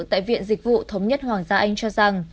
tại viện dịch vụ thống nhất hoàng gia anh cho rằng